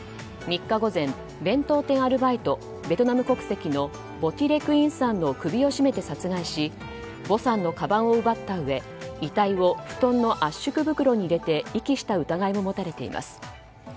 ３日午前、弁当店アルバイトベトナム国籍のヴォ・ティ・レ・クインさんの首を絞めて殺害しヴォさんのかばんを奪ったうえ遺体を布団の圧縮袋に入れて遺棄した疑いが持たれています。